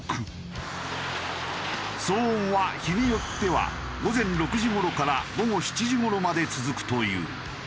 騒音は日によっては午前６時頃から午後７時頃まで続くという。